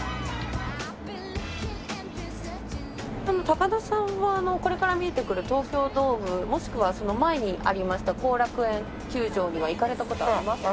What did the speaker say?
高田さんはこれから見えてくる東京ドームもしくはその前にありました後楽園球場には行かれた事はありますか？